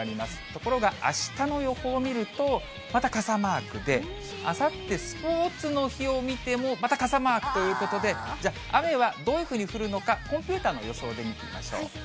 ところが、あしたの予報を見ると、また傘マークで、あさってスポーツの日を見ても、また傘マークということで、じゃあ、雨はどういうふうに降るのか、コンピューターの予想で見てみましょう。